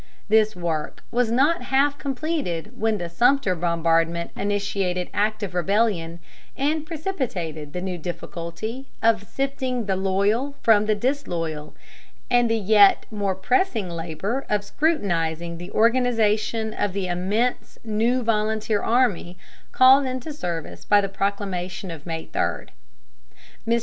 This work was not half completed when the Sumter bombardment initiated active rebellion, and precipitated the new difficulty of sifting the loyal from the disloyal, and the yet more pressing labor of scrutinizing the organization of the immense new volunteer army called into service by the proclamation of May 3. Mr.